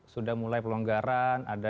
sudah mulai pelonggaran ada